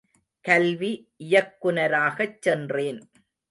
கல்வி இயக்குநராகச் சென்றேன்.